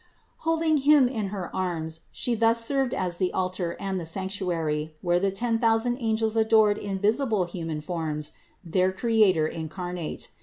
484. Holding Him in Her arms She thus served as the altar and the sanctuary, where the ten thousand angels adored in visible human forms their Creator incarnate.